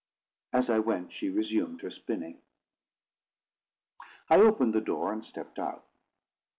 As I went she resumed her spinning. I opened the door, and stepped out.